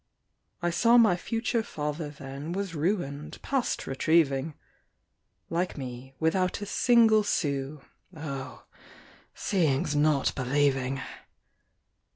I saw my future father then Was ruined past retrieving, Like me, without a single sou: Oh! seeing's not believing!